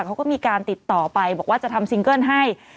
เขาก็มีการติดต่อไปบอกว่าจะทำซิงเกิ้ลให้